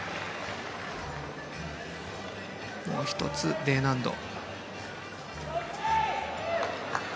もう１つ、Ｄ難度。